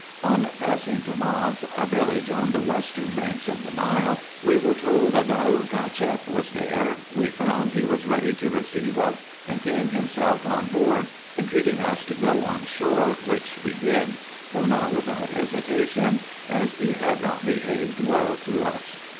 On passing Tomas, a village on the western banks of the Nile, we were told, that Daoud Cacheff was there. We found he was ready to receive us, and came him self on board, entreating vis to go on shore, which we did, though not without hesitation, as he had not behaved well to us.